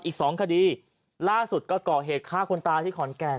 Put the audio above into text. อีกสองคดีล่าสุดก็ก่อเหตุฆ่าคนตายที่ขอนแก่น